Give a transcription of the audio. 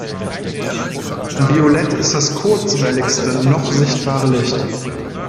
Violett ist das kurzwelligste noch sichtbare Licht.